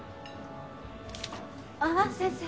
あっ先生